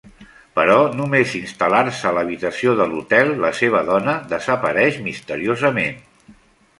Però, només instal·lar-se a l'habitació de l'hotel, la seva dona desapareix misteriosament.